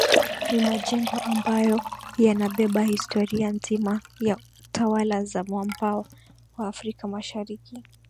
Ni majengo ambayo yanabeba historia nzima ya tawala za mwambao wa Afrika mashariki